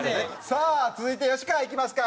さあ続いて吉川いきますか。